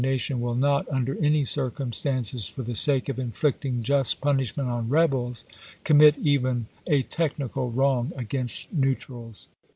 nation will not under any circumstances, for the sake of den, "Lite inflicting just punishment on rebels, commit even a tech pp.^agafsg'i. nical wrong against neutrals."